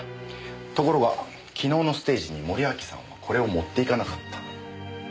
ところが昨日のステージに森脇さんはこれを持って行かなかった。